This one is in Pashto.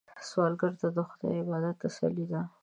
سوالګر ته د خدای عبادت تسلي ده